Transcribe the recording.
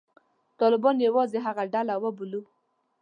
طالبان یوازې هغه ډله وبولو.